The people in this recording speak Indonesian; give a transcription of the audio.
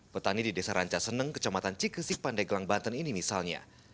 petani di desa rancaseneng kecamatan cikesik pandeglang banten ini misalnya